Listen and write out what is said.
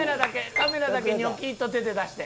カメラだけニョキッと手で出して。